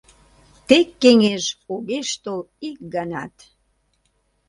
Тек кеҥеж огеш тол ик ганат.